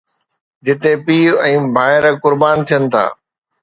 جتي پيءُ ۽ ڀائر قربان ٿين ٿا.